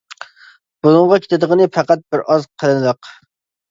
بۇنىڭغا كېتىدىغىنى پەقەت بىر ئاز قېلىنلىق.